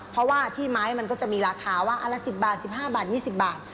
เพราะว่าที่ไม้มันก็จะมีราคาว่าอันละ๑๐บาท๑๕บาท๒๐บาท